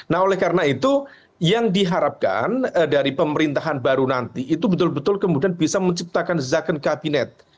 nah oleh karena itu yang diharapkan dari pemerintahan baru nanti itu betul betul kemudian bisa menciptakan zakon kabinet